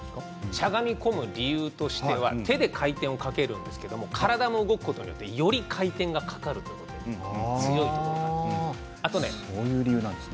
しゃがみこむ理由としては手で回転をかけるんですが体が動くことによってより回転がかかるので強いところなんです。